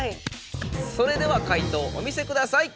それでは解答お見せください。